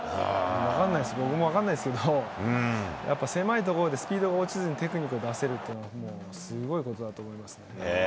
分かんないです、僕も分かんないですけど、やっぱ狭い所でスピードが落ちずにテクニックを出せるっていうのはもう、すごいことだと思いますね。